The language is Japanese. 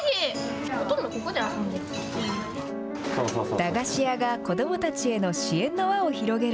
駄菓子屋が子どもたちへの支援の輪を広げる。